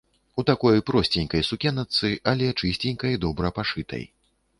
У такой просценькай сукеначцы, але чысценькай, добра пашытай.